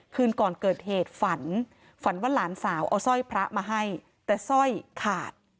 คืนก่อนเกิดเหตุฝันฝันว่าหลานสาวเอาสร้อยพระมาให้แต่สร้อยขาด